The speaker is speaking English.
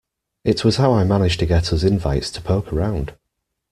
It was how I managed to get us invites to poke around.